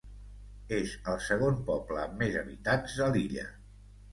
És el segon poble amb més habitants de l'illa.